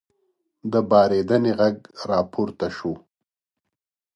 د پارېدنې غږ راپورته شو.